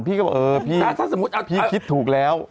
พี่ก็บอกพี่คิดถูกแล้ว